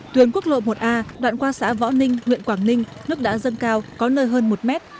tuyến quốc lộ một a đoạn qua xã võ ninh huyện quảng ninh nước đã dâng cao có nơi hơn một mét